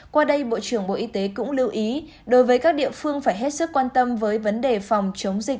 qua đây bộ trưởng bộ y tế cũng lưu ý đối với các địa phương phải hết sức quan tâm với vấn đề phòng chống dịch